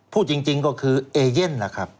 พูดจริงก็คือเอเจน